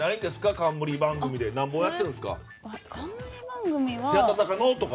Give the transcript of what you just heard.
冠番組なんぼやってるんですか？